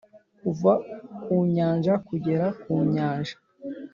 kuva ku nyanja kugera ku nyanja